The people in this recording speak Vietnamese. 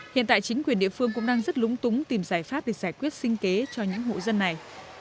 hiện tại chính quyền địa phương cũng đang rất lúng túng tìm giải pháp để giải quyết sinh kế cho những hộ dân này